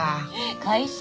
会社？